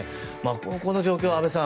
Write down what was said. この状況、安部さん